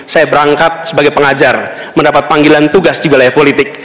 saya berangkat sebagai pengajar mendapat panggilan tugas di wilayah politik